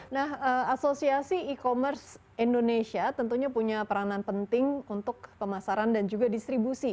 nah asosiasi e commerce indonesia tentunya punya peranan penting untuk pemasaran dan juga distribusi